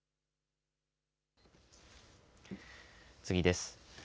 次です。